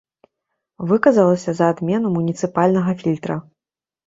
Выказалася за адмену муніцыпальнага фільтра.